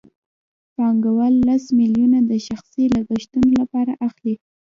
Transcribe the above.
پانګوال لس میلیونه د شخصي لګښتونو لپاره اخلي